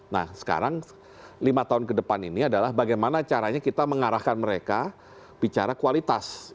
nah sekarang lima tahun ke depan ini adalah bagaimana caranya kita mengarahkan mereka bicara kualitas